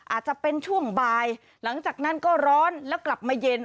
อาจจะเป็นช่วงบ่ายหลังจากนั้นก็ร้อนแล้วกลับมาเย็น